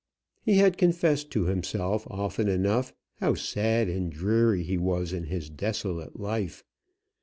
He had confessed to himself often enough how sad and dreary he was in his desolate life.